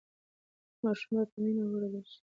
ماشومان باید په مینه وروزل شي.